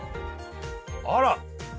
あら！